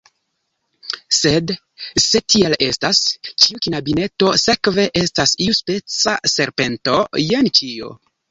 Sed, se tiel estas, ĉiu knabineto sekve estas iuspeca serpento. Jen ĉio!